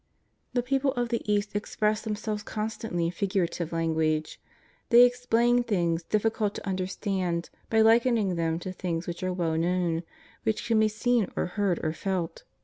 The people of the East express themselves constantly in figurative language. They explain things difficult to understand by likening them to things which are well known, which can be seen or heard or felt.